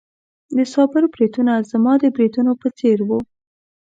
د صابر بریتونه زما د بریتونو په څېر وو.